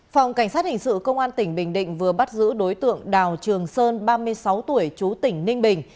phòng cảnh sát hình sự công an tỉnh bình định vừa bắt giữ đối tượng đào trường sơn ba mươi sáu tuổi chú tỉnh ninh bình